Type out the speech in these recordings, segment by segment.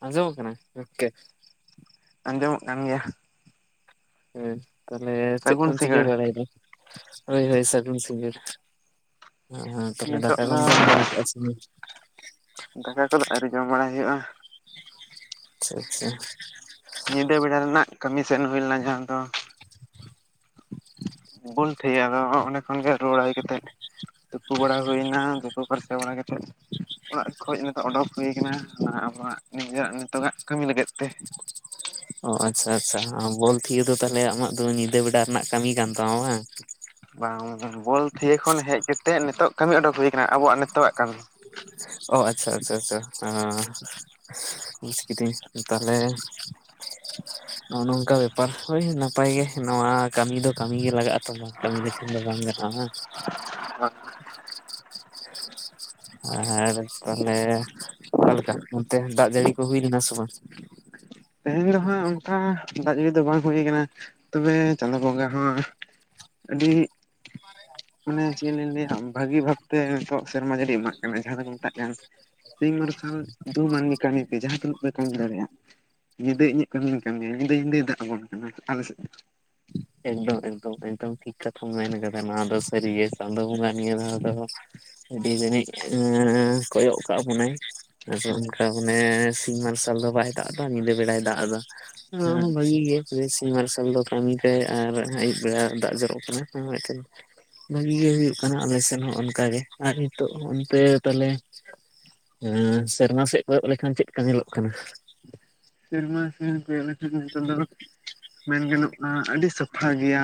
ᱟᱡᱚᱢ ᱠᱟᱱᱟ ᱟᱸᱡᱚᱢᱚᱜ ᱠᱟᱱ ᱜᱮᱭᱟ ᱦᱮᱸ ᱛᱟᱦᱚᱞᱮ ᱪᱮᱫ ᱥᱟᱹᱜᱩᱱ ᱠᱚᱚᱢ ᱪᱤᱠᱟᱹ ᱥᱤᱸᱜᱟᱹᱲ ᱵᱟᱲᱟᱭᱮᱫᱟ ᱦᱳᱭ ᱦᱳᱭ ᱥᱟᱹᱜᱩᱱ ᱥᱤᱸᱜᱟᱞ ᱦᱮᱸ ᱛᱟᱦᱚᱞᱮ ᱱᱤᱛᱚᱜ ᱫᱟᱠᱟ ᱠᱚᱢ ᱫᱚ ᱡᱚᱢ ᱵᱟᱲᱟ ᱠᱮᱫᱮᱜᱼᱟ ᱥᱮ ᱦᱩᱸ ᱫᱟᱠᱟ ᱠᱚᱫᱚ ᱟᱹᱣᱨᱤ ᱡᱚᱢ ᱵᱟᱲᱟᱟᱭ ᱦᱩᱭᱩᱜᱼᱟ ᱟᱪᱪᱷᱟ ᱟᱪᱪᱷᱟ ᱧᱤᱫᱟᱹ ᱵᱮᱲᱟ ᱨᱮᱱᱟᱜ ᱠᱟᱹᱢᱤ ᱥᱮᱱ ᱦᱩᱭ ᱞᱮᱱᱟ ᱡᱟᱦᱟᱸ ᱫᱚ ᱵᱚᱱ ᱴᱷᱤᱭᱟᱨᱚᱜ ᱟᱫᱚ ᱚᱸᱰᱮ ᱠᱷᱚᱱ ᱜᱮ ᱨᱩᱣᱟᱹᱲ ᱦᱮᱡ ᱠᱟᱛᱮᱮᱫ ᱛᱩᱯᱩ ᱵᱟᱲᱟ ᱦᱩᱭᱱᱟ ᱛᱩᱯᱩ ᱯᱷᱟᱨᱪᱟ ᱵᱟᱲᱟ ᱠᱟᱛᱮᱫ ᱚᱲᱟᱜ ᱠᱷᱚᱡ ᱱᱤᱛᱚᱜ ᱚᱰᱳᱚᱠ ᱦᱩᱭ ᱠᱟᱱᱟ ᱟᱵᱚᱣᱟᱜ ᱱᱤᱡᱮᱨᱟᱜ ᱱᱤᱛᱚᱜᱟᱜ ᱠᱟᱹᱢᱤ ᱞᱟᱹᱜᱤᱫ ᱛᱮ ᱚ ᱟᱪᱪᱷᱟ ᱟᱪᱪᱷᱟ ᱵᱚᱞ ᱛᱷᱤᱭᱟ ᱫᱚ ᱛᱟᱦᱚᱞᱮ ᱟᱢᱟᱜ ᱫᱚ ᱧᱤᱫᱟᱹ ᱵᱮᱰᱟ ᱨᱮᱱᱟᱜ ᱠᱟᱹᱢᱤ ᱠᱟᱱ ᱛᱟᱢᱟ ᱵᱟᱝ ᱵᱟᱝ ᱵᱚᱞ ᱛᱷᱭᱟᱹ ᱠᱷᱚᱱ ᱦᱮᱡ ᱠᱟ ᱠᱟᱛᱮᱫ ᱱᱤᱛᱚᱜ ᱠᱟᱹᱢᱤ ᱚᱰᱩᱚᱠ ᱦᱩᱭᱩ ᱟᱠᱟᱱᱟ ᱟᱵᱚᱣᱟᱜ ᱱᱤᱛᱚᱜᱟᱜ ᱠᱟᱹᱢᱤ ᱚ ᱟᱪᱪᱷᱟ ᱟᱪᱪᱷᱟ ᱟᱪᱪᱷᱟ ᱵᱩᱡᱽ ᱠᱮᱫᱤᱫᱟᱹᱧ ᱛᱟᱦᱞᱮ ᱱᱚᱜᱼᱚ ᱱᱚᱝᱠᱟ ᱵᱮᱯᱟᱨ ᱦᱳᱭ ᱱᱟᱯᱟᱭ ᱜᱮ ᱱᱚᱣᱟ ᱠᱟᱹᱢᱤ ᱫᱚ ᱠᱟᱹᱢᱤ ᱜᱮᱮ ᱞᱟᱜᱟᱜᱼᱟ ᱛ ᱠᱟᱹᱢᱤ ᱫᱚ ᱪ ᱵᱟᱝ ᱱᱟ ᱟᱪᱷᱟ [inaudible] ᱟᱨ ᱛᱟᱦᱚᱞᱮ ᱚᱠᱟᱞᱮᱠᱟ ᱚᱱᱛᱮ ᱫᱟᱜ ᱡᱟᱹᱲᱤ ᱠᱚ ᱦᱩᱭ ᱞᱮᱱᱟ ᱥᱮ ᱵᱟᱝ? ᱛᱮᱦᱮᱧ ᱫᱚ ᱦᱟᱸᱜ ᱚᱱᱠᱟ ᱫᱟᱜ ᱡᱩᱲᱤ ᱫᱚ ᱵᱟᱝ ᱦᱩᱭ ᱠᱟᱱᱟ ᱛᱚᱵᱮ ᱪᱟᱸᱫᱳ ᱵᱚᱸᱜᱟ ᱦᱚᱸ ᱟᱹᱰᱤ ᱢᱟᱱᱮ ᱪᱮᱫ ᱞᱤᱧ ᱞᱟᱹᱭᱟ ᱵᱷᱟᱹᱜᱤ ᱵᱷᱟᱵᱛᱮ ᱱᱤᱛᱚᱜ ᱥᱮᱨᱢᱟ ᱡᱟᱹᱲᱤ ᱮᱢᱟᱜ ᱠᱟᱱᱟ ᱡᱟᱦᱟᱸ ᱫᱚᱠᱚ ᱢᱮᱛᱟᱜ ᱠᱟᱱ ᱥᱤᱧ ᱢᱟᱨᱥᱟᱞ ᱫᱩ ᱢᱟᱹᱱᱢᱤ ᱠᱟᱹᱢᱤ ᱯᱮ ᱡᱟᱦᱟᱸ ᱛᱤᱱᱟᱹᱜ ᱯᱮ ᱠᱟᱹᱢᱤ ᱫᱟᱲᱮᱭᱟᱜᱼᱟ ᱧᱤᱫᱟᱹ ᱤᱧᱟᱹᱜ ᱠᱟᱹᱢᱤᱧ ᱠᱟᱹᱢᱤᱭᱟ ᱧᱤᱫᱟᱹ ᱧᱧᱤᱫᱟᱹᱭ ᱫᱟᱜ ᱟᱵᱚᱱ ᱠᱟᱱᱟ ᱟᱞᱮ ᱥᱮᱫ ᱫᱚ ᱮᱠᱫᱚᱢ ᱮᱠᱫᱚᱢ ᱮᱠᱫᱚᱢ ᱴᱷᱤᱠ ᱠᱟᱛᱷᱟ ᱢᱮᱱ ᱠᱟᱫᱟ ᱱᱚᱣᱟ ᱫᱚ ᱥᱟᱹᱨᱤᱜ ᱪᱟᱸᱫᱳ ᱵᱚᱸᱜᱟ ᱱᱤᱭᱟᱹ ᱾ ᱟᱹᱰᱤ ᱡᱟᱹᱱᱤᱡ ᱠᱚᱭᱚᱜ ᱠᱟᱜ ᱵᱚᱱᱟᱭ ᱟᱨ ᱦᱳᱭ ᱚᱱᱠᱟ ᱢᱟᱱᱮ ᱥᱤᱧ ᱢᱟᱨᱥᱟᱞ ᱫᱚ ᱵᱟᱭ ᱫᱟᱜ ᱮᱫᱟ ᱧᱤᱫᱟᱹ ᱵᱮᱲᱟᱭ ᱫᱟᱜ ᱮᱫᱟ ᱱᱚᱣᱟ ᱦᱮᱸ ᱦᱚ ᱵᱟᱹᱜᱤ ᱜᱮ ᱯᱨᱮᱥ ᱥᱤᱧ ᱢᱟᱨᱥᱟᱞ ᱫᱚᱠᱟᱟᱱ ᱟᱨ ᱟᱹᱭᱩᱵ ᱵᱮᱲᱟ ᱫᱟᱜ ᱡᱚᱨᱚᱜ ᱠᱟᱱᱟ ᱢᱤᱫᱴᱮᱱ ᱵᱷᱟᱹᱜᱤ ᱜᱮ ᱦᱩᱭᱩᱜ ᱠᱟᱱᱟ ᱟᱞᱮ ᱥᱮᱮᱫ ᱦᱚᱸ ᱚᱱᱠᱟᱜᱮ ᱟᱨ ᱱᱤᱛᱚᱜ ᱚᱱᱛᱮ ᱛᱟᱞᱮ ᱦᱮᱸ ᱥᱮᱨᱢᱟ ᱥᱮᱫ ᱠᱚᱭᱟᱜ ᱞᱮᱠᱷᱟᱱ ᱪᱮᱫ ᱞᱮᱠᱟ ᱧᱮᱞᱚᱜ ᱠᱟᱱᱟ ᱾ ᱥᱮᱢᱟ ᱥᱮᱱ ᱠᱚᱭᱚᱜ ᱞᱮᱱᱠᱷᱟᱱ ᱫᱚ ᱢᱮᱱ ᱜᱟᱱᱚᱜᱼᱟ ᱟᱹᱰᱤ ᱥᱟᱯᱷᱟ ᱜᱮᱭᱟ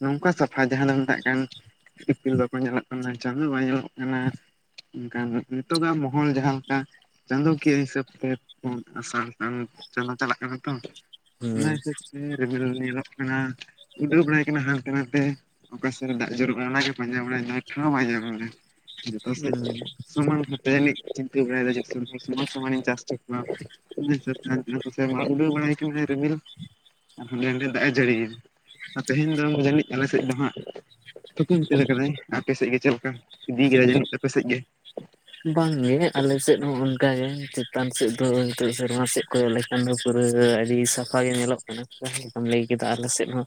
ᱱᱚᱝᱠᱟ ᱥᱟᱯᱷᱟ ᱡᱟᱦᱟᱸ ᱫᱚ ᱢᱮᱛᱟᱜ ᱠᱟᱱ ᱤᱯᱤᱞ ᱵᱟᱠᱚ ᱧᱮᱞᱚᱜ ᱠᱟᱱᱟ ᱪᱟᱸᱫᱚ ᱵᱟᱭ ᱧᱮᱞᱚᱜ ᱠᱟᱱᱟ ᱢᱮᱱᱠᱷᱟᱱ ᱱᱤᱛᱚᱜᱟᱜ ᱢᱚᱦᱚᱞ ᱡᱟᱦᱟᱸᱮᱠᱟ ᱪᱟᱸᱫᱳᱚᱠᱤᱭᱟᱹ ᱦᱤᱥᱟᱹᱵ ᱛᱮ ᱟᱥᱟᱲᱥᱟᱱ ᱪᱟᱫᱳ ᱪᱟᱞᱟᱜ ᱠᱟᱱᱟ ᱦᱩᱸ ᱛᱚ ᱦᱮ ᱨᱤᱢᱤᱞ ᱧᱮᱞᱚᱜ ᱠᱟᱱᱟᱱ ᱩᱰᱟᱣ ᱵᱮᱲᱟᱭ ᱠᱟᱱᱟ ᱦᱟᱱᱛᱮ ᱱᱟᱛᱮ ᱚᱠᱟ ᱥᱮᱫ ᱨᱮ ᱫᱟᱜ ᱡᱩᱨᱩᱜᱼᱟ ᱚᱱᱟᱱᱟᱜᱮ ᱯᱟᱸᱡᱟ ᱵᱟᱲᱟᱭᱟ ᱯᱟᱸᱡᱟ ᱵᱟᱲᱟᱭᱟ ᱴᱷᱟᱣ ᱵᱟᱭ ᱧᱟᱢᱟ ᱫᱟ ᱡᱚᱛᱚ ᱥᱮ ᱦᱩᱸ ᱥᱚᱢᱟᱱ ᱛᱮ ᱡᱮ ᱪᱤᱱᱛᱟ ᱵᱟᱲᱟᱭ ᱥᱚᱢᱟᱱ ᱥᱚᱢᱟᱱ ᱤᱧ ᱪᱟᱥ ᱵᱟᱲ ᱩᱰᱟᱹᱣ ᱵᱟᱲᱟᱭ ᱠᱟᱱᱟᱭ ᱨᱤᱢᱤᱞ ᱦᱟᱸᱰᱮ ᱱᱟᱰᱮ ᱫᱟᱜ ᱮ ᱡᱟᱹᱲᱤᱭᱫᱟ ᱟᱨ ᱛᱮᱦᱮᱧ ᱫᱚ ᱡᱟᱹᱱᱤᱡ ᱟᱞᱮ ᱥᱮᱫ ᱫᱚ ᱦᱟᱸᱜ ᱛᱷᱠᱩᱠ ᱩᱛᱟᱹᱨ ᱠᱟᱫᱟᱭᱧ ᱟᱯᱮᱮᱥᱮᱫ ᱜᱮ ᱪᱮᱫ ᱞᱮᱠᱟ ᱤᱫᱤ ᱠᱟᱫᱟᱭ ᱡᱟᱹᱱᱤᱡ ᱟᱯᱮ ᱥᱮᱫ ᱜᱮ ᱾ ᱵᱟᱝᱜᱮ ᱟᱞᱮ ᱥᱮᱫ ᱦᱚᱸ ᱚᱱᱠᱟᱜᱮ ᱪᱮᱛᱟᱱ ᱥᱮᱫ ᱫᱚ ᱱᱤᱛᱚᱜ ᱥᱮᱨᱢᱟ ᱥᱮᱫ ᱠᱚᱭᱚᱜ ᱪᱟᱸᱫᱳ ᱯᱩᱨᱟᱹ ᱟᱹᱰᱤ ᱥᱟᱯᱷᱟ ᱜᱮ ᱧᱮᱞᱚᱜ ᱠᱟᱱᱟ ᱡᱟᱦᱟᱸ ᱞᱮᱠᱟᱢ ᱞᱟᱹᱭ ᱠᱮᱫᱟ ᱟᱞᱮ ᱥᱮᱫ ᱦᱚᱸ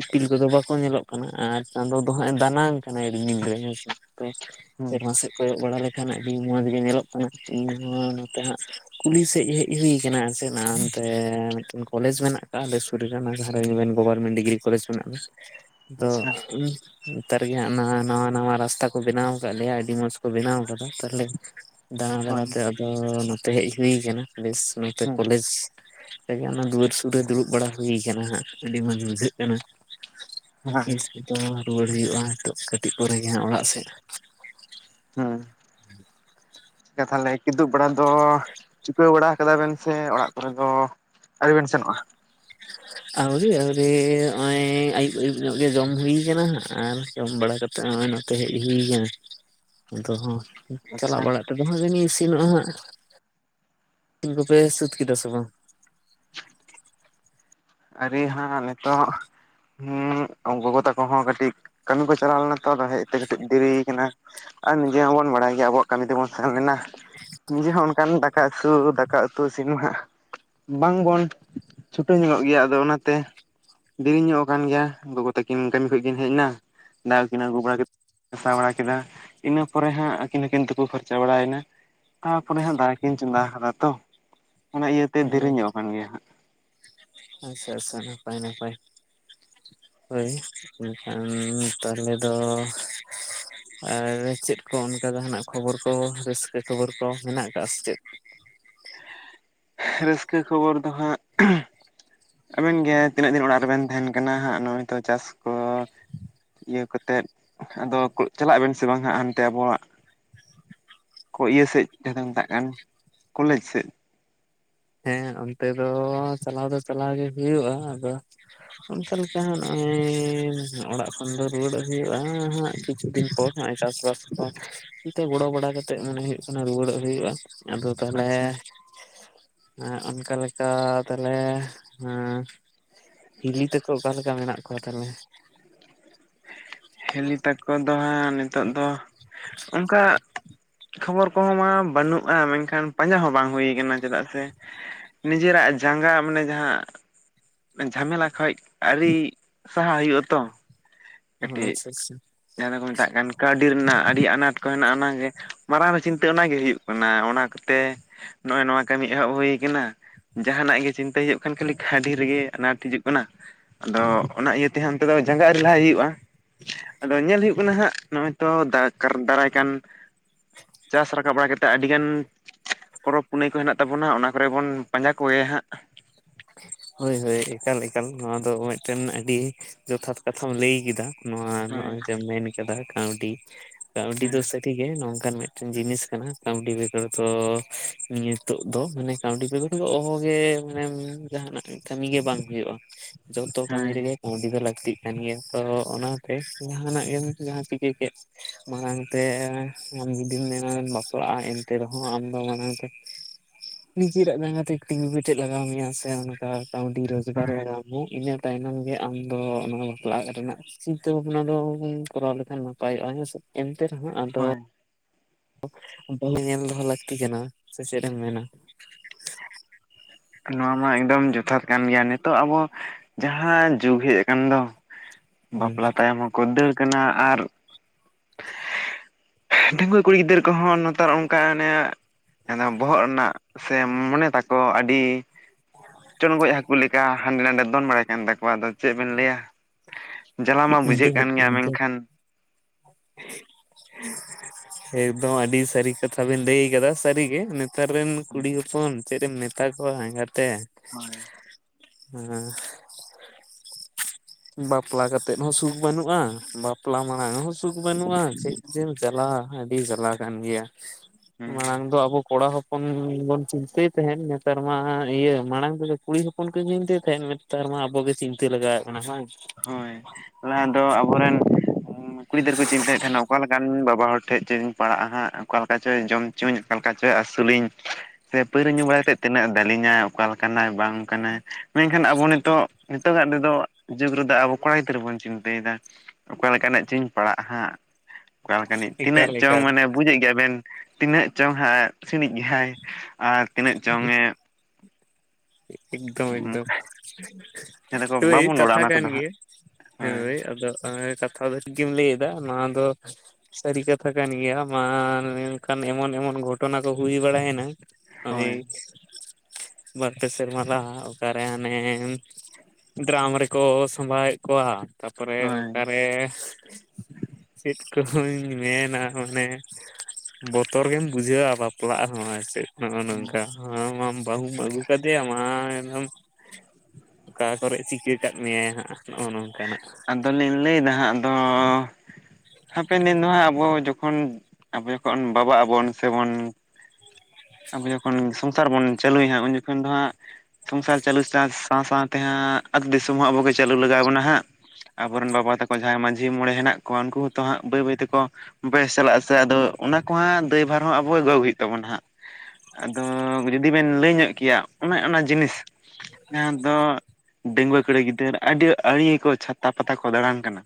ᱤᱯᱤᱞ ᱠᱚᱫᱚ ᱵᱟᱠᱚ ᱧᱮᱞᱚᱜ ᱠᱟᱱᱟ ᱟᱨ ᱪᱟᱸᱫᱳ ᱫᱚ ᱦᱟᱸᱜ ᱫᱟᱱᱟᱝ [inaudible] ᱦᱩᱸ ᱥᱮᱨᱢᱟ ᱥᱮᱫ ᱠᱚᱭᱚᱜ ᱵᱟᱲᱟ ᱩᱱᱟᱹᱜ ᱜᱮ ᱢᱚᱸᱡᱽ ᱜᱮ ᱧᱮᱞᱚᱜ ᱠᱟᱱᱟ ᱤᱧᱦᱚᱸ ᱱᱚᱛᱮ ᱦᱟᱸᱜ ᱠᱩᱞᱤ ᱥᱮᱫ ᱦᱮᱡ ᱦᱩᱭ ᱟᱠᱟᱱᱟ ᱥᱮ ᱚᱱᱟ ᱚᱱᱛᱮ ᱢᱤᱫᱴᱮᱱ ᱠᱚᱞᱮᱡᱽ ᱢᱮᱱᱟᱜ ᱟᱠᱟᱜ-ᱟ ᱟᱞᱮ ᱥᱮᱫ, ᱟᱹᱰᱤ ᱜᱟᱱ ᱜᱚᱵᱷᱚᱨᱢᱮᱱᱴ ᱰᱤᱜᱽᱨᱤ ᱠᱚᱞᱮᱡᱽ ᱢᱮᱱᱟᱜ ᱫᱚ ᱟᱫᱚ ᱟᱪᱪᱷᱟ ᱱᱮᱛᱟᱨ ᱜᱮ ᱦᱟᱸᱜ [unintelligible] ᱱᱟᱣᱟ ᱱᱟᱣᱟ ᱨᱟᱥᱛᱟ ᱠᱚ ᱵᱮᱱᱟᱣ ᱟᱠᱟᱫ ᱞᱮᱭᱟ ᱟᱹᱰᱤ ᱢᱚᱸᱡᱽ ᱠᱚ ᱵᱮᱱᱟᱣ ᱟᱠᱟᱫᱟ᱾ ᱛᱟᱦᱞᱮ ᱫᱟᱬᱟ ᱫᱟᱬᱟ ᱦᱳᱭ ᱛᱮ ᱟᱫᱚ ᱱᱚᱛᱮ ᱦᱮᱡ ᱦᱩᱭ ᱠᱟᱱᱟ ᱵᱮᱥ ᱛᱮ ᱦᱩᱸ ᱠᱚᱞᱮᱪ [unintelligible] ᱚᱱᱟ ᱫᱩᱣᱟᱹᱨ ᱥᱩᱨ ᱨᱮ ᱫᱩᱲᱩᱵ ᱵᱟᱲᱟ ᱦᱩᱭ ᱠᱟᱱᱟ ᱦᱟᱜ ᱟᱹᱰᱤ ᱢᱚᱸᱡᱽ ᱵᱩᱡᱷᱟᱹᱜ ᱠᱟᱱᱟ᱾ ᱦᱳᱭ [unintelligible] ᱛᱚ ᱨᱩᱣᱟᱹᱲ ᱦᱩᱭᱩᱜᱼᱟ ᱱᱤᱛᱚᱜ ᱠᱟᱹᱴᱤᱡ ᱯᱚᱨᱮ ᱜᱮ ᱦᱟᱸᱜ ᱚᱲᱟᱜ ᱥᱮᱫ᱾ ᱦᱮᱸ ᱪᱤᱠᱠᱟ ᱛᱟᱦᱚᱞᱮ ᱠᱤᱫᱩᱵ ᱵᱟᱲᱟ ᱫᱚ ᱪᱩᱠᱟᱹᱣ ᱵᱟᱲᱟ ᱠᱟᱫᱟ ᱵᱮᱱ ᱥᱮ ᱚᱲᱟᱜ ᱠᱚᱨᱮ ᱫᱚ ᱟᱹᱣᱨᱤ ᱵᱮᱱ ᱥᱮᱱᱚᱜᱼᱟ ᱦᱟᱸᱜ, [inaudible] ᱟᱹᱣᱨᱤ ᱟᱹᱣᱨᱤ ᱦᱚᱸᱜᱼᱚᱭ ᱟᱹᱭᱩᱵ ᱟᱹᱭᱩᱵ ᱧᱚᱜ ᱜᱮ ᱡᱚᱢ ᱦᱩᱭ ᱠᱟᱱᱟ ᱦᱟᱜ ᱟᱨ ᱡᱚᱢ ᱵᱟᱲᱟ ᱠᱟᱛᱮ ᱦᱚᱸᱜᱼᱚᱭ ᱱᱚᱛᱮ ᱦᱮᱡ ᱦᱩᱭ ᱟᱠᱟᱱ ᱟᱫᱚ ᱦᱟᱸ ᱪᱟᱞᱟᱜ ᱟᱪᱪᱷᱟ ᱵᱟᱲᱟᱜ ᱛᱮᱫᱚ ᱦᱟᱸᱜ ᱡᱟᱹᱱᱤ ᱤᱥᱤᱱᱚᱜᱼᱟ ᱦᱟᱸᱜ ᱾ ᱤᱥᱤᱱ ᱠᱚᱯᱮ ᱥᱟᱹᱛ ᱠᱮᱫᱟ ᱥᱮ ᱵᱟᱝ? ᱟᱹᱣᱨᱤ ᱦᱟᱸᱜ ᱱᱤᱛᱚᱜ ᱦᱩᱸ, ᱜᱚᱜᱚ ᱛᱟᱠᱚ ᱦᱚᱸ ᱠᱟᱹᱴᱤᱡ ᱠᱟᱹᱢᱤ ᱠᱚ ᱪᱟᱞᱟᱣ ᱞᱮᱱᱟ ᱛᱚ, ᱦᱮᱡ ᱛᱮ ᱠᱟᱹᱴᱤᱡ ᱫᱮᱨᱤᱭ ᱟᱠᱟᱱᱟ ᱾ ᱟᱨ ᱱᱤᱡᱮ ᱦᱚᱸᱵᱚᱱ ᱵᱟᱲᱟᱭ ᱜᱮᱭᱟ ᱟᱵᱚᱣᱟᱜ ᱠᱟᱹᱢᱤ ᱛᱮ ᱵᱚᱱ ᱥᱮᱱ ᱞᱮᱱᱟ ᱾ ᱱᱤᱡᱮ ᱦᱚᱸ ᱚᱱᱠᱟᱱ ᱫᱟᱠᱟ ᱩᱛᱩ ᱫᱟᱠᱟ ᱩᱛᱩ ᱤᱥᱤᱱ ᱢᱟ ᱦᱟᱸᱜᱼᱼ ᱵᱟᱝᱵᱚᱱ ᱪᱷᱩᱴᱟᱹᱣ ᱧᱚᱜᱚᱜ ᱜᱮᱭᱟ, ᱟᱫᱚ ᱚᱱᱟ ᱛᱮ ᱫᱮᱨᱤ ᱧᱚᱜ ᱟᱠᱟᱱ ᱜᱮᱭᱟ ᱾ ᱜᱚᱜᱚ ᱛᱟᱹᱠᱤᱱ ᱠᱟᱹᱢᱤ ᱠᱷᱚᱡ ᱠᱤᱱ ᱦᱮᱡ ᱮᱱᱟ, ᱫᱟᱜ ᱠᱚ ᱠᱤᱱ ᱟᱹᱜᱩ ᱵᱟᱲᱟ ᱠᱮᱫᱟ ᱾ ᱜᱷᱟᱥᱟᱣ ᱵᱟᱲᱟ ᱠᱮᱫᱟ, ᱤᱱᱟᱹ ᱯᱚᱨᱮ ᱦᱟᱸᱜ ᱟᱹᱠᱤᱱ ᱦᱚᱸ ᱠᱤᱱ ᱛᱩᱯᱩ ᱯᱷᱚᱨᱪᱟ ᱵᱟᱲᱟᱭᱱᱟ ᱾ ᱛᱟᱨᱯᱚᱨᱮ ᱦᱟᱸᱜ ᱫᱟᱜ ᱠᱚ ᱠᱤᱱ ᱪᱚᱸᱫᱟ ᱟᱠᱟᱫᱟ ᱛᱚ, ᱚᱱᱟ ᱤᱭᱟᱹᱛᱮ ᱫᱮᱨᱤ ᱧᱚᱜ ᱟᱠ ᱜᱮᱭᱟ ᱦᱟᱸᱜ ᱾ ᱟᱪᱪᱷᱟ ᱟᱪᱪᱷᱟ, ᱱᱟᱯᱟᱭ ᱱᱟᱯᱟᱭ ᱾ ᱦᱳᱭ, ᱢᱮᱱ ᱠᱷᱟᱱ ᱛᱟᱦᱞᱮ ᱫᱚ ᱟᱨ ᱪᱮᱫ ᱠᱚ ᱚᱱᱠᱟ ᱡᱟᱦᱟᱸᱱᱟᱜ ᱠᱷᱚᱵᱚᱨ ᱠᱚ ᱨᱟᱹᱥᱠᱟᱹ ᱠᱷᱚᱵᱚᱨ ᱠᱚ ᱢᱮᱱᱟᱜ ᱠᱟᱜᱼᱟ ᱥᱮ ᱪᱮᱫ? ᱨᱟᱹᱥᱠᱟᱹ ᱠᱷᱚᱵᱚᱨ ᱫᱚ ᱦᱟᱸᱜ [unintelligible] ᱟᱵᱮᱱ ᱜᱮ ᱛᱤᱱᱟᱹᱜ ᱫᱤᱱ ᱚᱲᱟᱜ ᱨᱮᱵᱮᱱ ᱛᱟᱦᱮᱱ ᱠᱟᱱᱟ ᱦᱟᱸᱜ, ᱱᱚᱜᱼᱚᱭ ᱛᱚ ᱪᱟᱥ ᱠᱚ ᱤᱭᱟᱹ ᱠᱟᱛᱮᱫ ᱟᱫᱚ ᱪᱟᱞᱟᱜ ᱟᱵᱮᱱ ᱥᱮ ᱵᱟᱝ ᱦᱟᱸᱜ ᱦᱟᱱᱛᱮ ᱟᱵᱚᱣᱟᱜ ᱤᱭᱟᱹ ᱥᱮᱫ ᱡᱟᱦᱟᱸ ᱫᱚ ᱢᱮᱛᱟᱜ ᱠᱟᱱ ᱠᱚᱞᱮᱡᱽ ᱥᱮᱫ? ᱦᱮᱸ, ᱚᱱᱛᱮ ᱫᱚ ᱪᱟᱞᱟᱣ ᱫᱚ ᱪᱟᱞᱟᱣ ᱜᱮ ᱦᱩᱭᱩᱜᱼᱟ, ᱟᱫᱚ ᱚᱱᱠᱟ ᱠᱮᱠᱟ ᱱᱟᱸᱜ ᱱᱚᱜᱼᱚᱭ ᱚᱲᱟᱜ ᱠᱷᱚᱱ ᱫᱚ ᱨᱩᱣᱟᱹᱲᱼᱼ ᱦᱩᱭᱩᱜᱼᱟ ᱦᱟᱸᱜ ᱾ ᱠᱤᱪᱷᱩ ᱫᱤᱱ ᱯᱚᱨᱜ ᱱᱚᱜᱼᱚᱭ ᱚᱭ ᱪᱟᱥᱵᱟᱥ ᱠᱚ ᱼᱼ ᱛᱮ ᱜᱚᱲᱚ ᱵᱟᱲᱟ ᱠᱟᱛᱮ ᱢᱚᱱᱮ ᱦᱩᱭᱩᱜ ᱠᱟᱱᱟ ᱨᱩᱣᱟᱹᱲᱚᱜ ᱦᱩᱭᱩᱜᱼᱟ ᱾ ᱟᱫᱚ ᱛᱟᱦᱚᱞᱮ ᱟᱪᱪᱷᱟ ᱼᱼ ᱦᱮᱸ ᱚᱱᱠᱟ ᱞᱮᱠᱟ ᱛᱟᱦᱚᱞᱮ, ᱦᱩᱸᱼᱼ ᱦᱤᱞᱤ ᱛᱟᱠᱚ ᱚᱠᱟ ᱞᱮᱠᱟ ᱢᱮᱱᱟᱜ ᱠᱚᱣᱟ ᱛᱟᱦᱚᱞᱮ? ᱦᱤᱞᱤ ᱛᱟᱠᱚ ᱫᱚ ᱦᱟᱸᱜ ᱱᱤᱛᱚᱜ ᱫᱚ ᱚᱱᱠᱟᱼᱼ ᱠᱷᱚᱵᱚᱨ ᱠᱚᱦᱚᱸ ᱢᱟ ᱵᱟᱹᱱᱩᱜᱼᱟ, ᱢᱮᱱᱠᱷᱟᱱ ᱯᱟᱸᱡᱟ ᱦᱚᱸ ᱵᱟᱝ ᱦᱩᱭ ᱟᱠᱟᱱᱟ, ᱪᱮᱫᱟᱜ ᱥᱮ ᱱᱤᱡᱮᱨᱟᱜ ᱡᱟᱸᱜᱟ ᱢᱟᱱᱮ ᱡᱟᱦᱟᱸ ᱡᱷᱟᱢᱮᱞᱟ ᱠᱷᱚᱡ ᱟᱹᱨᱤ ᱥᱟᱦᱟ ᱦᱩᱭᱩᱜ ᱟᱛᱚ, ᱚ ᱠᱟᱹᱴᱤᱡ ᱟᱪᱪᱷᱟ ᱾ ᱡᱟᱦᱟᱸ ᱫᱚ ᱠᱚ ᱢᱮᱛᱟᱜ ᱠᱟᱱ ᱠᱟᱹᱣᱰᱤ ᱨᱮᱱᱟᱜ ᱟᱹᱰᱤ ᱟᱱᱟᱴ ᱠᱚ ᱦᱮᱱᱟᱜᱼᱟ ᱚᱱᱟᱜᱮ ᱾ ᱢᱟᱨᱟᱝ ᱨᱮ ᱪᱤᱱᱛᱟᱹ ᱚᱱᱟ ᱜᱮ ᱦᱩᱭᱩᱜ ᱠᱟᱱᱟ, ᱚᱱᱟ ᱠᱚᱛᱮ ᱱᱚᱜᱼᱚᱭ ᱱᱚᱣᱟ ᱠᱟᱹᱢᱤ ᱮᱦᱚᱵ ᱦᱩᱭ ᱠᱟᱱᱟ ᱾ ᱡᱟᱦᱟᱸᱱᱟᱜ ᱜᱮ ᱪᱤᱱᱛᱟᱹ ᱦᱩᱭᱩᱜ ᱠᱷᱟᱱ ᱠᱷᱟᱹᱞᱤ ᱠᱷᱟᱹᱣᱰᱤ ᱨᱮᱜᱮ ᱟᱱᱟᱴ ᱦᱤᱡᱩᱜ ᱠᱟᱱᱟ ᱾ ᱟᱫᱚ ᱚᱱᱟ ᱤᱭᱟᱹ ᱛᱮ ᱚᱱᱛᱮ ᱫᱚ ᱡᱟᱸᱜᱟ ᱟᱹᱣᱨᱤ ᱞᱟᱦᱟᱭ ᱦᱩᱭᱩᱜᱼᱟ ᱾ ᱟᱫᱚ ᱧᱮᱞ ᱦᱩᱭᱩᱜ ᱠᱟᱱᱟ ᱦᱟᱸᱜ ᱱᱚᱜᱼᱚᱭ ᱛᱚ ᱟᱨ ᱫᱟᱨᱟᱭ ᱠᱟᱱ, ᱪᱟᱥ ᱨᱟᱠᱟᱵ ᱵᱟᱲᱟ ᱠᱟᱛᱮ ᱟᱹᱰᱤ ᱜᱟᱱ ᱯᱚᱨᱚᱵᱽ ᱯᱩᱱᱟᱹᱭ ᱠᱚ ᱦᱮᱱᱟᱜ ᱛᱟᱵᱚᱱᱟ ᱚᱱᱟ ᱠᱚᱨᱮ ᱵᱚᱱ ᱯᱟᱸᱡᱟ ᱠᱚᱜᱮᱭᱟ ᱦᱟᱸᱜ ᱾ ᱦᱳᱭ ᱦᱳᱭ ᱮᱠᱟᱞ ᱮᱠᱟᱞ ᱱᱚᱣᱟ ᱫᱚ ᱢᱤᱫᱴᱮᱱ ᱟᱹᱰᱤ ᱡᱚᱛᱷᱟᱛ ᱠᱟᱛᱷᱟᱢ ᱞᱟᱹᱭ ᱠᱮᱫᱟ ᱾ ᱱᱚᱣᱟ ᱱᱚᱜᱼᱚᱭ ᱦᱟᱸᱜ ᱡᱮᱢ ᱢᱮᱱ ᱠᱮᱫᱟ ᱠᱟᱺᱣᱰᱤ ᱠᱟᱺᱣᱰᱤ ᱦᱳᱭ ᱫᱚ ᱥᱮ ᱛᱤ ᱜᱮ ᱱᱚᱝᱠᱟᱱ ᱢᱤᱫᱴᱮᱱ ᱡᱤᱱᱤᱥ ᱠᱟᱱᱟ ᱠᱟᱹᱣᱰᱤ ᱵᱮᱜᱚᱨ ᱫᱚ ᱱᱤᱛᱚᱜ ᱫᱚ ᱢᱟᱱᱮ ᱠᱟᱺᱣᱰᱤ ᱵᱮᱜᱚᱨ ᱫᱚ ᱚᱦᱚᱜᱮ ᱢᱟᱱᱮᱢ ᱡᱟᱦᱱᱟᱜ ᱠᱟᱹᱢᱤ ᱜᱮ ᱵᱟᱝ ᱦᱩᱭᱩᱜᱼᱟ ᱡᱚᱛᱚ ᱠᱟᱹᱢᱤ ᱦᱳᱭ ᱨᱮᱜᱮ ᱣᱰᱤ ᱫᱚ ᱞᱟᱹᱠᱛᱤᱜ ᱠᱟᱱ ᱜᱮᱭᱟ ᱛᱚ ᱚᱱᱟᱛᱮ ᱡᱟᱦᱱᱟᱜ ᱜᱮᱢ ᱡᱟᱦᱟᱸ ᱪᱤᱠᱟᱹ ᱠᱮᱫ ᱢᱟᱲᱟᱝ ᱛᱮ ᱟᱢ ᱡᱩᱫᱤᱢ ᱢᱮᱱᱟ ᱵᱟᱯᱞᱟᱜᱼᱟ, ᱮᱱᱛᱮ ᱨᱮᱦᱚᱸ ᱟᱢ ᱫᱚ ᱢᱟᱲᱟᱝ ᱛᱮ ᱱᱤᱡᱮᱨᱟᱜ ᱡᱟᱸᱜᱟᱛᱮ ᱛᱤᱸᱜᱩ ᱠᱮᱴᱮᱡ ᱞᱟᱜᱟᱣ ᱢᱮᱭᱟ, ᱥᱮ ᱚᱱᱠᱟ ᱠᱟᱹᱣᱰᱤ ᱨᱳᱡᱽᱜᱟᱨ ᱦᱳᱭ ᱞᱟᱜᱟᱣ ᱢᱮᱭᱟ ᱤᱱᱟᱹ ᱛᱟᱭᱱᱚᱢ ᱜᱮ ᱟᱢᱫᱚ ᱱᱚᱣᱟ ᱵᱟᱯᱞᱟᱜ ᱨᱮᱱᱟᱜ ᱪᱤᱱᱛᱟᱹ ᱵᱷᱟᱵᱱᱟ ᱫᱚ ᱵᱚᱱ ᱠᱚᱨᱟᱣ ᱞᱮᱠᱷᱟᱱ ᱱᱟᱯᱟᱭᱚᱜᱼᱟ ᱦᱮᱸᱥᱮ ᱮᱱᱛᱮ ᱨᱮᱦᱚᱸ ᱟᱫᱚ ᱦᱳᱭ ᱵᱟᱹᱦᱩ ᱧᱮᱞ ᱫᱚᱦᱚ ᱞᱟᱹᱠᱛᱤ ᱠᱟᱱᱟ ᱥᱮ ᱪᱮᱫ ᱮᱢ ᱢᱮᱱᱟ? ᱱᱚᱣᱟ ᱢᱟ ᱮᱫᱚᱢ ᱡᱚᱛᱷᱟᱛ ᱠᱟᱱ ᱜᱮᱭᱟ ᱱᱤᱛᱚᱜ ᱟᱵᱚ ᱡᱟᱦᱟᱸ ᱡᱩᱜᱽ ᱦᱮᱡ ᱟᱠᱟᱱ ᱫᱚ ᱦᱩᱸ ᱵᱟᱯᱞᱟ ᱛᱟᱭᱚᱢ ᱦᱚᱸᱠᱚ ᱫᱟᱹᱲ ᱠᱟᱱᱟ ᱟᱨ [inaudible] ᱰᱟᱺᱜᱩᱣᱟᱹ ᱠᱩᱲᱤ ᱜᱤᱫᱽᱟᱹᱨ ᱠᱚᱦᱚᱸ ᱱᱮᱛᱟᱨ ᱚᱱᱠᱟ ᱚᱱᱮ ᱡᱟᱦᱟ ᱫᱚ ᱵᱚᱦᱚᱜ ᱨᱮᱱᱟᱜ ᱥᱮ ᱢᱚᱱᱮ ᱛᱟᱠᱚ ᱟᱹᱰᱤ ᱪᱚᱱᱜᱚᱡ ᱦᱟᱹᱠᱩ ᱞᱮᱠᱟ ᱦᱟᱸᱰᱮ ᱱᱟᱰᱮ ᱫᱚᱱ ᱵᱟᱲᱟᱭ ᱠᱟᱱ ᱛᱟ ᱠᱚᱣᱟ ᱟᱫᱚ ᱪᱮᱜ ᱵᱮᱱ ᱞᱟᱹᱭᱟ ᱡᱟᱞᱟ ᱢᱟ ᱵᱩᱡᱷᱟᱹᱜ ᱮᱠᱫᱚᱢ ᱠᱟᱱ ᱜᱮᱭᱟ ᱮᱠᱫᱚᱢ ᱢᱮᱱᱠᱷᱟᱱ, ᱮᱫᱚᱢ ᱟᱹᱰᱤ ᱥᱟᱹᱨᱤ ᱠᱟᱛᱷᱟ ᱵᱮᱱ ᱞᱟᱹᱭ ᱠᱟᱫᱟ ᱥᱟᱹᱨᱤᱜᱮ ᱱᱮᱛᱟᱨ ᱨᱮᱱ ᱠᱩᱲᱤ ᱦᱚᱯᱚᱱ ᱪᱮᱫ ᱮᱢ ᱢᱮᱛᱟ ᱠᱚᱣᱟ ᱮᱸᱜᱟᱛᱮ ᱾ ᱦᱚᱭ ᱾ [unintelligible] ᱵᱟᱯᱞᱟ ᱠᱟᱛᱮᱫ ᱦᱚᱸ ᱥᱩᱠ ᱵᱟᱹᱱᱩᱜᱼᱟ ᱵᱟᱯᱞᱟ ᱢᱟᱲᱟᱝ ᱦᱚᱸ ᱥᱩᱠ ᱵᱟᱹᱱᱩᱜᱼᱟ ᱪᱮᱫ ᱡᱮᱢ ᱡᱟᱞᱟ ᱟᱹᱰᱤ ᱡᱟᱞᱟ ᱠᱟᱱ ᱜᱮᱭᱟ ᱢᱟᱲᱟᱝ ᱦᱩᱸ ᱫᱚ ᱟᱵᱚ ᱠᱚᱲᱟ ᱦᱚ ᱦᱚᱯᱚᱱ ᱵᱚᱱ ᱪᱤᱱᱛᱟᱹᱭ ᱛᱟᱦᱮᱸᱫ ᱱᱮᱛᱟᱨ ᱢᱟ ᱤᱭᱟᱹ ᱢᱟᱲᱟᱝ ᱛᱮᱜᱮ ᱠᱩᱲᱤ ᱦᱚᱯᱚᱱ ᱠᱚ ᱪᱤᱱᱛᱟᱹᱭ ᱛᱟᱦᱮᱸᱫ ᱱᱮᱛᱟᱨ ᱢᱟ ᱟᱵᱚᱜᱮ ᱪᱤᱱᱛᱟᱹ ᱞᱟᱜᱟᱣᱮᱫ ᱵᱚᱱᱟ, ᱵᱟᱝ? ᱦᱳᱭ ᱞᱟᱦᱟ ᱫᱚ ᱟᱵᱚᱨᱮᱱ ᱠᱩᱲᱤ ᱜᱤᱫᱽᱟᱹᱨ ᱠᱚ ᱪᱤᱱᱛᱟᱭᱮᱫ ᱛᱟᱦᱮᱱᱟ ᱚᱠᱟ ᱞᱮᱠᱟᱱ ᱵᱟᱵᱟ ᱦᱚᱲ ᱴᱷᱮᱡ ᱪᱩᱧ ᱯᱟᱲᱟᱜᱼᱟ ᱦᱟᱸᱜ ᱚᱠᱟ ᱞᱮᱠᱟ ᱪᱚᱭ ᱡᱚᱢ ᱦᱚᱪᱩᱧ ᱚᱠᱟ ᱞᱮᱠᱟ ᱪᱚᱭ ᱟᱹᱥᱩᱞᱤᱧ ᱥᱮ ᱯᱟᱹᱣᱨᱟᱹ ᱧᱩ ᱵᱟᱲᱟ ᱛᱮᱫ ᱛᱤᱱᱟᱹᱜ ᱮ ᱫᱟᱹᱞᱤᱧ ᱟᱭ ᱚᱠᱟ ᱞᱮᱠᱟᱱᱟᱭ ᱵᱟᱝ ᱠᱟᱱᱟᱭ ᱢᱮᱱᱠᱷᱟᱱ ᱟᱵᱚ ᱱᱤᱛᱳᱜ ᱱᱤᱛᱳᱜᱟᱜ ᱨᱮᱫᱚ ᱡᱩᱜᱽ ᱨᱮᱫᱚ ᱟᱵᱚ ᱠᱚᱲᱟ ᱜᱤᱫᱽᱨᱟᱹ ᱵᱚᱱ ᱪᱤᱱᱛᱟᱹᱭᱫᱟ ᱚᱠᱟ ᱞᱮᱠᱟᱱᱟᱜ ᱪᱩᱧ ᱯᱟᱲᱟᱜᱼᱟ ᱦᱟᱸᱜ ᱚᱠᱟ ᱞᱮᱠᱟᱱᱤᱡ ᱛᱤᱱᱟᱹᱜ ᱮᱠᱟᱞ ᱪᱚᱝ ᱮᱠᱟᱞ ᱢᱟᱱᱮ ᱵᱩᱡᱮᱜ ᱜᱮᱭᱟ ᱵᱮᱱ ᱛᱤᱱᱟᱹᱜ ᱪᱚᱝ ᱦᱟᱸᱜ ᱥᱤᱬᱤᱡ ᱜᱮ ᱦᱟᱭ ᱟᱨ ᱛᱤᱱᱟᱹᱜ ᱪᱚᱝᱼᱮ ᱾ ᱮᱠᱫᱚᱢ ᱮᱠᱫᱚᱢ ᱠᱚ ᱦᱳᱭ ᱵᱟᱵᱚᱱ ᱨᱚᱲᱟ ᱠᱟᱛᱷᱟ ᱚᱱᱟ ᱠᱟᱱ ᱠᱚᱫᱚ ᱦᱟᱸᱜ ᱜᱮᱭᱟ ᱾ ᱦᱳᱭ ᱟᱫᱚ [unintelligible] ᱠᱟᱛᱷᱟ ᱫᱚ ᱴᱷᱤᱠ ᱜᱮᱢ ᱞᱟᱹᱭ ᱫᱟ ᱱᱚᱣᱟ ᱫᱚ ᱥᱟᱹᱨᱤ ᱠᱟᱛᱷᱟ ᱠᱟᱱ ᱜᱮᱭᱟ ᱢᱟ ᱮᱱᱠᱷᱟᱱ ᱮᱢᱚᱱ ᱮᱢᱚᱱ ᱜᱷᱚᱴᱚᱱᱟ ᱠᱚ ᱦᱩᱭ ᱵᱟᱲᱟᱭᱱᱟ ᱦᱳᱭ ᱳᱭ ᱯᱮ ᱥᱮᱨᱢᱟ ᱚᱠᱟᱨᱮ ᱦᱟᱱᱮ ᱰᱮᱨᱟᱢ ᱨᱮᱠᱚ ᱥᱟᱢᱵᱟᱣᱮᱫ ᱠᱚᱣᱟ, ᱛᱟᱯᱚᱨᱮ ᱦᱳᱭ ᱚᱠᱟᱨᱮ ᱪᱮᱫ ᱠᱚᱦᱚᱧ ᱢᱮᱱᱟ ᱢᱟᱱᱮ ᱵᱚᱛᱚᱨ ᱜᱮᱢ ᱵᱩᱡᱷᱟᱹᱣᱟ ᱵᱟᱯᱞᱟᱜ ᱦᱚᱸ ᱟᱨ ᱪᱮᱫ, ᱦᱚᱸᱜ-ᱚ ᱱᱚᱝᱠᱟ ᱟᱢ ᱢᱟᱢ ᱵᱟᱦᱩᱢ ᱟᱹᱜᱩ ᱠᱟᱫᱮᱭᱟ ᱢᱟ [unintelligible] ᱚᱠᱟ ᱠᱚᱨᱮᱜ ᱮ ᱪᱤᱠᱟᱹ ᱠᱟᱫ ᱢᱮᱭᱟᱭ ᱦᱟᱸᱜ ᱱᱚᱜᱼᱚ ᱱᱚᱝᱠᱟᱱᱟᱜ ᱾ ᱟᱫᱚᱞᱤᱧ ᱞᱟᱹᱭᱫᱟ ᱦᱟᱸᱜ ᱟᱫᱚ ᱦᱟᱯᱮᱱ ᱫᱤᱱ ᱫᱚ ᱦᱟᱸᱜ ᱟᱵᱚ ᱡᱚᱠᱷᱚᱱ ᱟᱵᱚ ᱡᱚᱠᱷᱚᱱ ᱵᱟᱵᱟᱜ ᱟᱵᱚᱱ ᱥᱮᱵᱚᱱ ᱟᱵᱚ ᱡᱚᱠᱷᱚᱱ ᱥᱚᱝᱥᱟᱨ ᱵᱚᱱ ᱪᱟᱹᱞᱩᱭᱟ ᱦᱟᱸᱜ ᱩᱱ ᱡᱚᱠᱷᱚᱱ ᱫᱚ ᱦᱟᱸᱜ ᱥᱚᱝᱥᱟᱨ ᱪᱟᱹᱞᱩ ᱥᱟᱶ ᱥᱟᱶᱛᱮ ᱦᱟᱸᱜ ᱫᱤᱥᱚᱢ ᱦᱚᱸ ᱟᱵᱚ ᱜᱮ ᱪᱟᱹᱞᱩ ᱞᱟᱜᱟᱣ ᱵᱚᱱᱟ ᱦᱟᱸᱜ ᱾ ᱟᱵᱚᱨᱮᱱ ᱵᱟᱵᱟ ᱛᱟᱠᱚ ᱡᱟᱦᱟᱸᱭ ᱢᱟᱹᱡᱷᱤ ᱢᱚᱬᱮ ᱦᱮᱱᱟᱜ ᱠᱚᱣᱟ ᱩᱱᱠᱩ ᱦᱚᱸᱛᱚ ᱦᱟᱸᱜ ᱵᱟᱹᱭ ᱵᱟᱹᱭ ᱛᱮᱠᱚ ᱵᱚᱭᱮᱹᱥ ᱪᱟᱞᱟᱜ ᱟᱥᱮ ᱟᱫᱚ ᱚᱱᱟ ᱠᱚ ᱦᱟᱸᱜ ᱫᱟᱹᱭᱵᱷᱟᱨ ᱦᱚᱸ ᱟᱵᱚ ᱜᱚᱜ ᱦᱩᱭᱩᱜ ᱛᱟᱵᱚᱱᱟ ᱦᱟᱸᱜ ᱟᱫᱚ ᱡᱩᱫᱤ ᱵᱮᱱ ᱞᱟᱹᱭ ᱧᱚᱜ ᱠᱮᱭᱟ ᱚᱱᱮ ᱚᱱᱟ ᱡᱤᱱᱤᱥ ᱡᱟᱦᱟᱸ ᱫᱚ ᱰᱟᱺᱜᱣᱟᱹ ᱠᱩᱲᱤ ᱜᱤᱫᱟᱹᱨ ᱟᱹᱰᱤ ᱠᱚ ᱪᱷᱟᱛᱟ ᱯᱟᱛᱟ ᱠᱚ ᱫᱟᱬᱟᱱ ᱠᱟᱱᱟ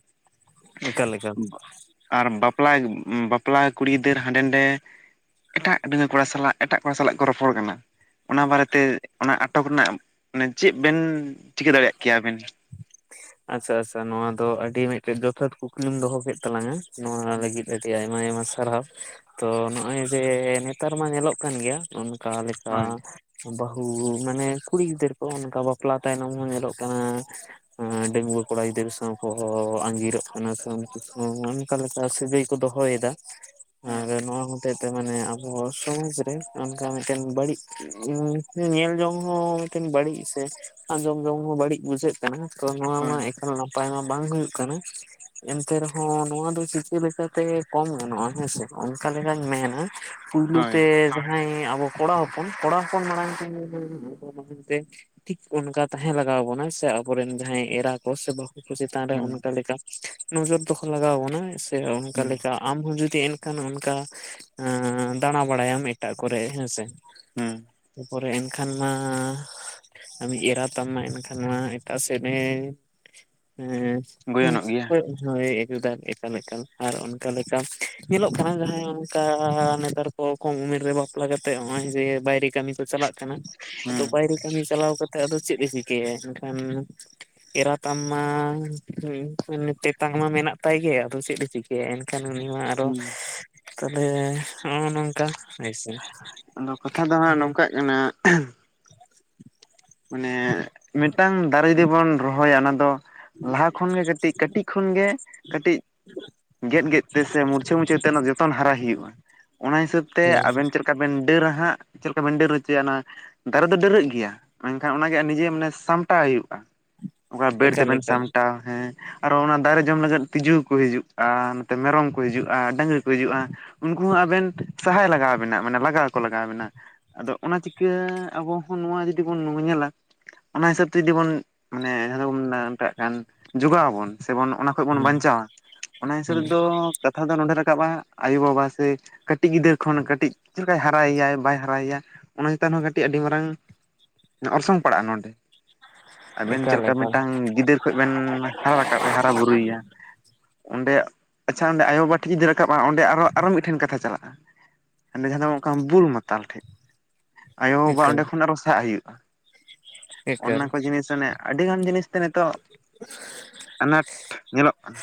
ᱚᱠᱟ ᱞᱮᱠᱟ? ᱟᱨ ᱵᱟᱯᱞᱟ ᱵᱟᱯᱞᱟ ᱠᱩᱲᱤ ᱜᱤᱫᱟᱹᱨ ᱦᱟᱸᱰᱮ ᱱᱟᱰᱮ ᱮᱴᱟᱜ [inaudible] ᱠᱚᱲᱟ ᱥᱟᱞᱟᱜ ᱮᱴᱟᱜ ᱠᱚᱲᱟ ᱥᱟᱞᱟᱜ ᱠᱚ ᱨᱚᱯᱚᱲ ᱠᱟᱱᱟ ᱚᱱᱟ ᱵᱟᱨᱮᱛᱮ ᱚᱱᱟ ᱟᱴᱚᱠ ᱨᱮᱱᱟᱜ ᱢᱟᱱᱮ ᱪᱮᱫ ᱵᱮᱱ ᱪᱤᱠᱟᱹ ᱫᱟᱲᱮᱭᱟᱜ ᱠᱮᱭᱟᱵᱤᱱ ᱟᱪᱪᱷᱟ ᱟᱪᱪᱷᱟ ᱱᱚᱣᱟ ᱫᱚ ᱟᱹᱰᱤ ᱢᱤᱫᱴᱮᱡ ᱡᱚᱛᱷᱟᱛ ᱠᱩᱠᱞᱤᱢ ᱫᱚᱦᱚ ᱠᱮᱫ ᱛᱟᱞᱟᱝᱟ ᱱᱚᱣᱟ ᱞᱟᱹᱜᱤᱫ ᱟᱹᱰᱤ ᱟᱭᱢᱟ ᱟᱭᱢᱟ ᱥᱟᱨᱦᱟᱣ ᱛᱚ ᱱᱚᱜᱼᱚᱭ ᱡᱮ ᱱᱮᱛᱟᱨ ᱢᱟ ᱧᱮᱞᱚᱜ ᱠᱟᱱ ᱜᱮᱭᱟ ᱠᱟᱞᱮᱠᱟ ᱦᱳᱭ ᱵᱟᱹᱦᱩ ᱢᱟᱱᱮ ᱠᱩᱲᱤ ᱜᱤᱫᱟᱹᱨ ᱠᱚ ᱚᱱᱠᱟ ᱵᱟᱯᱞᱟ ᱛᱟᱭᱱᱚᱢ ᱦᱚᱸ ᱧᱮᱞᱚᱜ ᱠᱟᱱᱟ ᱰᱟᱹᱝᱜᱩᱟᱹ ᱠᱚᱲᱟ ᱜᱤᱫᱽᱨᱟᱹ ᱥᱟᱶ ᱠᱚ ᱟᱸᱜᱤᱨᱚᱜ ᱠᱟᱱᱟ ᱥᱮ ᱩᱱᱠᱩ ᱚᱱᱠᱟ ᱞᱮᱠᱟ ᱥᱟᱹᱜᱟᱹᱭ ᱠᱚ ᱫᱚᱦᱚᱭᱮᱫᱟ [inaudible] ᱦᱮᱸ ᱱᱚᱣᱟ ᱦᱚᱛᱮᱡ ᱛᱮ ᱢᱟᱱᱮ ᱟᱵᱚ ᱥᱚᱢᱟᱡᱽ ᱨᱮ ᱚᱱᱠᱟ ᱢᱤᱫᱴᱮᱱ ᱵᱟᱹᱲᱤᱡ ᱧᱮᱞ ᱡᱚᱝ ᱦᱚᱸ ᱢᱤᱫᱴᱟᱝ ᱵᱟᱹᱲᱤᱡ ᱥᱮ ᱟᱸᱡᱚᱢ ᱡᱚᱝ ᱦᱚᱸ ᱵᱟᱹᱲᱤᱡ ᱵᱩᱡᱷᱟᱹᱜ ᱠᱟᱱᱟ ᱛᱚ ᱱᱚᱣᱟ ᱢᱟ ᱦᱳᱭ ᱮᱠᱟᱞ ᱱᱟᱯᱟᱭ ᱢᱟ ᱵᱟᱝ ᱦᱩᱭᱩᱜ ᱠᱟᱱᱟ- ᱮᱱᱛᱮ ᱨᱮᱦᱚᱸ ᱱᱚᱣᱟ ᱫᱚ ᱪᱤᱠᱟᱹ ᱞᱮᱠᱟᱛᱮ ᱠᱚᱢ ᱜᱟᱱᱚᱜᱼᱟ ᱦᱮᱸᱥᱮ ᱚᱱᱠᱟ ᱞᱮᱠᱟᱧ ᱢᱮᱱᱟ- ᱯᱩᱭᱞᱩ ᱦᱳᱭ ᱛᱮ ᱡᱟᱦᱟᱸᱭ ᱟᱵᱚ ᱠᱚᱲᱟ ᱦᱚᱯᱚᱱ ᱠᱚᱲᱟ ᱦᱚᱯᱚᱱ ᱢᱟᱲᱟᱝ ᱛᱮ [inaudible] ᱛᱮ ᱴᱷᱤᱠ ᱚᱱᱠᱟ ᱛᱟᱦᱮᱸ ᱞᱟᱜᱟᱣ ᱵᱚᱱᱟ ᱥᱮ ᱟᱵᱚᱨᱮᱱ ᱡᱟᱦᱟᱸᱭ ᱮᱨᱟ ᱠᱚ ᱥᱮ ᱵᱟᱦᱩ ᱠᱚ ᱪᱮᱛᱟᱱ ᱨᱮ ᱦᱩᱸ ᱚᱱᱠᱟ ᱞᱮᱠᱟ ᱱᱚᱡᱚᱨ ᱫᱚᱦᱚ ᱞᱟᱜᱟᱣ ᱵᱚᱱᱟ ᱥᱮ ᱚᱱᱠᱟ ᱦᱩᱸ ᱞᱮᱠᱟ ᱟᱢ ᱦᱚᱸ ᱡᱩᱫᱤ ᱮᱱᱠᱷᱟᱱ ᱚᱱᱠᱟ ᱫᱟᱬᱟ ᱵᱟᱲᱟᱭᱟᱢ ᱮᱴᱟᱜ ᱠᱚᱨᱮ ᱦᱮᱸᱥᱮ, ᱦᱩᱸ ᱛᱟᱯᱚᱨᱮ ᱮᱱᱠᱷᱟᱱ ᱢᱟ ᱟᱢᱤᱢ ᱮᱨᱟ ᱛᱟᱢ ᱢᱟ ᱮᱱᱠᱷᱟᱱ ᱢᱟ ᱮᱴᱟᱜ ᱥᱮᱫ ᱮ ᱜᱚᱭᱚᱱᱚᱜ [inaudible] ᱜᱮᱭᱟ ᱦᱳᱭ ᱮᱠ ᱫᱟᱭ ᱮᱠᱟᱞ ᱮᱠᱟᱞ ᱟᱨ ᱚᱱᱠᱟ ᱞᱮᱠᱟ ᱧᱮᱞᱚᱜ ᱠᱟᱱᱟ ᱡᱟᱦᱟᱸᱭ ᱚᱱᱠᱟ ᱱᱮᱛᱟᱨ ᱠᱚᱢ ᱩᱢᱮᱨ ᱨᱮ ᱵᱟᱯᱞᱟ ᱠᱟᱛᱮᱜ ᱱᱚᱜᱼᱚᱭ ᱡᱮ ᱵᱟᱭᱨᱮ ᱠᱟᱹᱢᱤ ᱠᱚ ᱪᱟᱞᱟᱜ ᱠᱟᱱᱟ ᱟᱫᱚ ᱦᱩᱸ ᱵᱟᱭᱨᱮ ᱠᱟᱹᱢᱤ ᱪᱟᱞᱟᱣ ᱠᱟᱛᱮ ᱟᱫᱚ ᱪᱮᱫ ᱮ ᱪᱤᱠᱟᱹᱭᱟ ᱮᱱᱠᱷᱟᱱ- ᱮᱨᱟᱛᱟᱢ ᱢᱟ ᱛᱮᱛᱟᱝ ᱢᱟ ᱢᱮᱱᱟᱜ ᱛᱟᱭ ᱜᱮ ᱟᱫᱚ ᱪᱮᱫ ᱮ ᱪᱤᱠᱟᱹᱭᱟ ᱮᱱᱠᱷᱟᱱ ᱩᱱᱤ ᱢᱟ ᱟᱨᱚ ᱦᱩᱸ ᱛᱟᱦᱚᱞᱮ ᱱᱚᱜ-ᱚᱭ ᱱᱚᱝᱠᱟ, ᱦᱳᱭᱥᱮ ᱟᱫᱚ ᱠᱟᱛᱷᱟ ᱫᱚ ᱦᱟᱸᱜ ᱱᱚᱝᱠᱟᱜ ᱠᱟᱱᱟ ᱢᱟᱱᱮ ᱢᱤᱫᱴᱟᱝ ᱫᱟᱨᱮ ᱡᱩᱫᱤ ᱵᱚᱱ ᱨᱚᱦᱚᱭᱟ ᱚᱱᱟ ᱫᱚ- ᱞᱟᱦᱟ ᱠᱷᱚᱱ ᱜᱮ ᱠᱟᱹᱴᱤᱡ ᱠᱟᱹᱴᱤᱡ ᱠᱷᱚᱱᱜᱮ ᱠᱟᱹᱴᱤᱡ ᱜᱮᱫ ᱜᱮᱫ ᱛᱮ ᱥᱮ ᱢᱩᱨᱪᱷᱟᱹ ᱢᱩᱨᱪᱷᱟᱹᱣ ᱛᱮ ᱡᱚᱛᱚᱱ ᱦᱟᱨᱟᱭ ᱦᱩᱭᱩᱜᱼᱟ ᱚᱱᱟ ᱦᱤᱥᱟᱹᱵ ᱛᱮ ᱦᱳᱭ ᱟᱵᱮᱱ ᱪᱮᱫᱠᱟ ᱵᱮᱱ ᱰᱟᱹᱨᱟ ᱦᱟᱸᱜ ᱪᱮᱫ ᱞᱮᱠᱟ ᱵᱮᱱ ᱰᱟᱹᱨ ᱦᱚᱪᱚᱭᱟ ᱚᱱᱟ ᱫᱟᱨᱮ ᱫᱚ ᱰᱟᱹᱨᱟᱹᱜ ᱜᱮᱭᱟ ᱢᱮᱱᱠᱷᱟᱱ ᱚᱱᱟᱜᱮ ᱱᱤᱡᱮ ᱢᱟᱱᱮ ᱥᱟᱢᱴᱟᱣ ᱦᱩᱭᱩᱜᱼᱟ ᱚᱠᱟ ᱵᱮᱲ ᱮᱠᱟᱞ ᱛᱮᱵᱮᱱ ᱮᱠᱟᱞ ᱥᱟᱢᱴᱟᱣ ᱦᱮᱸ ᱟᱨᱚ ᱚᱱᱟ ᱫᱟᱨᱮ ᱡᱚᱢ ᱞᱟᱹᱜᱤᱫ ᱛᱸᱤᱡᱩ ᱠᱚ ᱦᱤᱡᱩᱜᱼᱟ ᱱᱚᱛᱮ ᱢᱮᱨᱚᱢ ᱠᱚ ᱦᱤᱡᱩᱜᱼᱟ ᱰᱟᱹᱝᱨᱤ ᱠᱚ ᱦᱤᱡᱩᱜᱼᱟ ᱩᱱᱠᱩ ᱦᱚᱸ ᱟᱵᱮᱱ ᱥᱟᱦᱟᱭ ᱞᱟᱜᱟᱣᱵᱮᱱᱟ ᱢᱟᱱᱮ ᱞᱟᱜᱟᱣ ᱠᱚ ᱞᱟᱜᱟᱣ ᱵᱮᱱᱟ ᱟᱫᱚ ᱚᱱᱟ ᱪᱤᱠᱟᱹ ᱟᱵᱚ ᱦᱚᱸ ᱱᱚᱣᱟ ᱡᱩᱫᱤ ᱵᱚᱱ ᱧᱮᱞᱟ ᱚᱱᱟ ᱦᱤᱥᱟᱹᱵ ᱛᱮ ᱡᱩᱫᱤ ᱵᱚᱱ ᱢᱟᱱᱮ ᱡᱟᱦᱟᱸᱫᱟᱵᱚᱱ ᱢᱮᱛᱟᱜ ᱠᱟᱱ ᱡᱚᱜᱟᱣ ᱟᱵᱚᱱ ᱥᱮᱵᱚᱱ ᱚᱱᱟ ᱱᱤᱛᱳᱜ ᱵᱚᱱ ᱦᱩᱸ ᱵᱟᱧᱪᱟᱣᱟ ᱚᱱᱟ ᱦᱤᱥᱟᱹᱵ ᱦᱩᱸ ᱫᱚ ᱠᱟᱛᱷᱟ ᱫᱚ ᱱᱚᱰᱮ ᱨᱟᱠᱟᱵᱟ ᱟᱭᱳᱵᱟᱵᱟ ᱥᱮ ᱠᱟᱹᱴᱤᱡ ᱜᱤᱫᱟᱹᱨ ᱠᱷᱚᱱ ᱠᱟᱹᱴᱤᱡ ᱪᱮᱫ ᱞᱮᱠᱟᱭ ᱦᱟᱨᱟᱭᱮᱭᱟ ᱵᱟᱭ ᱦᱟᱨᱟᱭᱮᱭᱟ ᱚᱱᱟ ᱪᱮᱛᱟᱱ ᱦᱚᱸ ᱠᱟᱹᱴᱤᱡ ᱟᱹᱰᱤ ᱢᱟᱨᱟᱝ- ᱚᱨᱥᱚᱝ ᱯᱟᱲᱟᱜᱼᱟ ᱱᱚᱸᱰᱮ, ᱟᱵᱤᱱ ᱪᱮᱫ ᱮᱠᱟᱞ ᱞᱮᱠᱟ ᱮᱠᱟᱞ ᱢᱤᱫᱴᱟᱝ ᱜᱤᱫᱟᱹᱨ ᱠᱷᱚᱱ ᱵᱮᱱ ᱦᱟᱨᱟ ᱨᱟᱠᱟᱵ ᱮ ᱦᱟᱨᱟ ᱵᱩᱨᱩᱭᱮᱭᱟ ᱚᱸᱰᱮ ᱟᱪᱪᱷᱟ ᱚᱸᱰᱮ ᱟᱭᱳᱵᱟᱵᱟ ᱴᱷᱤᱠ ᱡᱩᱫᱤ ᱨᱟᱠᱟᱵᱼᱟ ᱚᱸᱰᱮ ᱟᱨ ᱟᱨᱚ ᱢᱤᱫᱴᱷᱮᱱ ᱠᱟᱛᱷᱟ ᱪᱟᱞᱟᱜᱼᱟ ᱚᱸᱰᱮ ᱡᱟᱦᱟᱸ ᱫᱚ ᱚᱱᱠᱟ ᱵᱩᱞ ᱢᱟᱛᱟᱞ ᱴᱷᱮᱡ ᱟᱭᱳᱼᱵᱟᱵᱟ ᱮᱠᱟᱞ ᱚᱸᱰᱮ ᱠᱷᱚᱱ ᱟᱨᱚ ᱥᱟᱦᱟᱜ ᱦᱩᱭᱩᱜᱼᱟ ᱮᱠᱟᱞ ᱚᱱᱟ ᱠᱚ ᱡᱤᱱᱤᱥ ᱢᱟᱱᱮ ᱟᱹᱰᱤᱜᱟᱱ ᱡᱤᱱᱤᱥᱛᱮ ᱱᱤᱛᱳᱜ ᱟᱱᱟᱴ ᱧᱮᱞᱚᱜ ᱠᱟᱱᱟ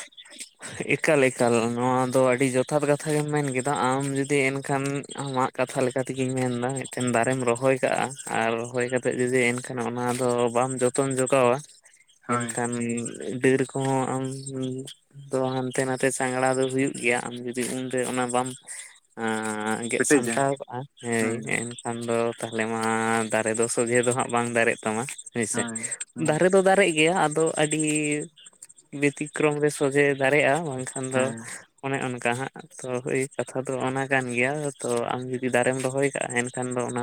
ᱮᱠᱟᱞ ᱮᱠᱟᱞ ᱱᱚᱣᱟ ᱫᱚ ᱟᱹᱰᱤ ᱡᱚᱛᱷᱟᱛ ᱠᱟᱛᱷᱟ ᱜᱮᱢ ᱢᱮᱱ ᱠᱮᱫᱟ ᱟᱢ ᱡᱩᱫᱤ ᱮᱱᱠᱷᱟᱱ ᱟᱢᱟᱜ ᱠᱟᱛᱷᱟ ᱞᱮᱠᱟ ᱛᱮᱜᱤᱧ ᱢᱮᱱᱫᱟ ᱢᱤᱫᱴᱮᱱ ᱫᱟᱨᱮᱢ ᱨᱚᱦᱚᱭ ᱠᱟᱜᱼᱟ ᱟᱨ ᱨᱚᱦᱚᱭ ᱠᱟᱛᱮ ᱡᱩᱫᱤ ᱮᱱᱠᱷᱟᱱ ᱚᱱᱟ ᱫᱚ ᱵᱟᱢ ᱡᱚᱛ ᱡᱚᱛᱚᱢ ᱡᱚᱜᱟᱣᱟ ᱦᱳᱭ ᱮᱱᱠᱷᱟᱱ ᱵᱤᱹᱨ ᱠᱚᱦᱚᱸ ᱟᱢ ᱛᱚ ᱦᱟᱱᱛᱮ ᱱᱟᱛᱮ ᱪᱟᱝᱜᱲᱟ ᱫᱚ ᱦᱩᱭᱩᱜ ᱜᱮᱭᱟ ᱟᱢ ᱡᱩᱫᱤ ᱩᱱᱨᱮ ᱚᱱᱟ ᱵᱟᱢ [unintelligible] ᱜᱮᱫ ᱯᱮᱴᱮᱡᱟ ᱥᱟᱢᱴᱟᱣ ᱠᱟᱜᱼᱟ ᱦᱮᱭ ᱦᱳᱭ ᱢᱮᱱ ᱠᱷᱟᱱ ᱫᱚ ᱛᱟᱦᱚᱞᱮ ᱢᱟ ᱫᱟᱨᱮ ᱫᱚ ᱥᱚᱡᱷᱮ ᱫᱚ ᱦᱟᱸᱜ ᱵᱟᱝ ᱫᱟᱨᱮᱜ ᱛᱟᱢᱟ᱾ ᱦᱳᱭᱥᱮ ᱦᱳᱭ ᱦᱳᱭ ᱫᱟᱨᱮ ᱫᱚ ᱫᱟᱨᱮᱜ ᱜᱮᱭᱟ ᱟᱫᱚ ᱟᱹᱰᱤ ᱵᱮᱛᱤᱠᱨᱚᱢ ᱨᱮ ᱥᱚᱡᱷᱮ ᱫᱟᱨᱮᱜᱼᱟ ᱵᱟᱝᱠᱷᱟᱱ ᱫᱚ ᱦᱮᱸ ᱚᱱᱮ ᱚᱱᱠᱟ ᱦᱟᱸᱜ ᱛᱚ ᱳᱭ ᱠᱟᱛᱷᱟ ᱫᱚ ᱚᱱᱟ ᱠᱟᱱ ᱜᱮᱭᱟ ᱛᱚ ᱟᱢ ᱡᱩᱫᱤ ᱫᱟᱨᱮᱢ ᱨᱚᱦᱚᱭ ᱠᱟᱜᱼᱟ ᱮᱱᱠᱷᱟᱱ ᱫᱚ ᱚᱱᱟ